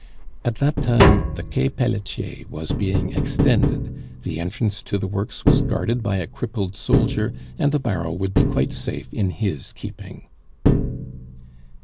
At that time the Quai Pelletier was being extended, the entrance to the works was guarded by a crippled soldier, and the barrow would be quite safe in his keeping.